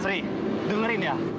sri dengerin ya